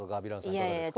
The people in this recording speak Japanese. いかがですか？